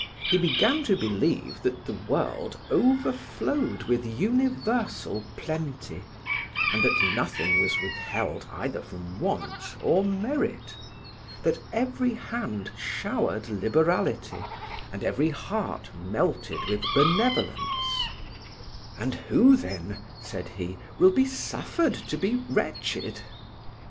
He began to believe that the world overflowed with universal plenty, and that nothing was withheld either from want or merit; that every hand showered liberality and every heart melted with benevolence: "And who then," says he, "will be suffered to be wretched?"